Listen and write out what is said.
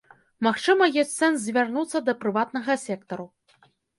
Магчыма, ёсць сэнс звярнуцца да прыватнага сектару.